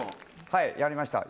はいやりました。